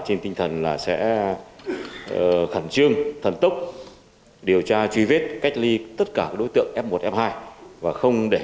trên tinh thần là sẽ khẩn trương thần tốc điều tra truy vết cách ly tất cả đối tượng f một f hai